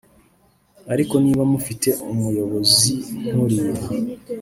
ariko niba mufite umuyobozi nk’uriya